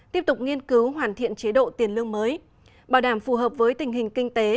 tiếp tục nghiên cứu hoàn thiện chế độ tiền lương mới bảo đảm phù hợp với tình hình kinh tế